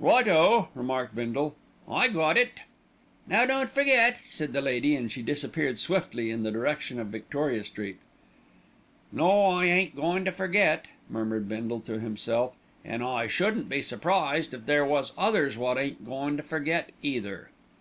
"Right o!" remarked Bindle, "I got it." "Now don't forget!" said the lady, and she disappeared swiftly in the direction of Victoria Street. "No, I ain't goin' to forget," murmured Bindle to himself, "an' I shouldn't be surprised if there was others wot ain't goin' to forget either."